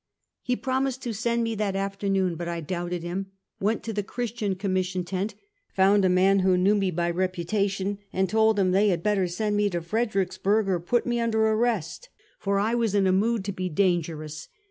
He promised to send me that afternoon, but I doubted him ; went to the Christian Commission tent, found a man who knew me by reputation, and told him they had better send me to Fredericksburg, or put me under arrest, for I was in a mood to be dangerous.